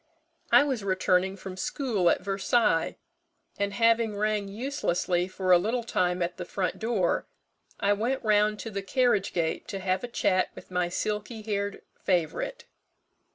I was returning from school at Versailles; and having rang uselessly for a little time at the front door, I went round to the carriage gate to have a chat with my silky haired favourite.